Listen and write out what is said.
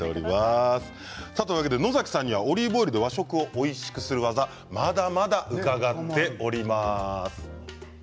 野崎さんのオリーブオイルで和食をおいしくする技まだまだ伺っております。